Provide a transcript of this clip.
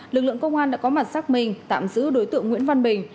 lực lượng công an đã có mặt sắc mình tạm giữ đối tượng nguyễn văn bình